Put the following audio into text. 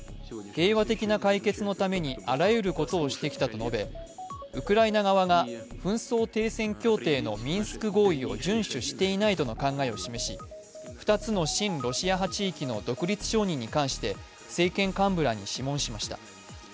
平和的な解決のためにあらゆることをしてきたと述べウクライナ側が紛争停戦協定のミンスク合意を順守していないとの考えを示し、２つの親ロシア派地域の独立承認に関して政権幹部らに諮問しました。